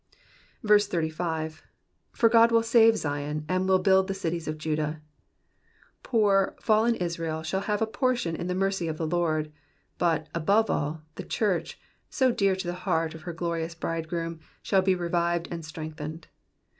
35. "/br God will mve Ziori, and will buUd the eitie$ of Judah^ Poor, fallen Israel shall have a portion in the mercy of the Lord ; but, above all, the church, so dear to the heart of her glorions bridegroom, shall be revived and strengthened.